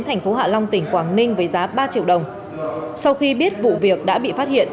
thành phố hạ long tỉnh quảng ninh với giá ba triệu đồng sau khi biết vụ việc đã bị phát hiện